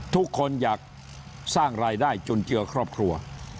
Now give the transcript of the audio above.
ทุกคนอยากสร้างรายได้จุนเจือครอบครัว